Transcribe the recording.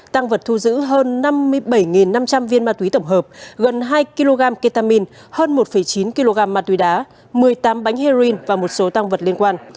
tăng vật thu giữ hơn năm mươi bảy năm trăm linh viên ma túy tổng hợp gần hai kg ketamine hơn một chín kg ma túy đá một mươi tám bánh heroin và một số tăng vật liên quan